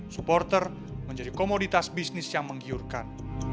supporter menjadi komoditas bisnis yang menggiurkan